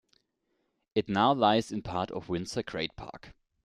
It now lies in part of Windsor Great Park.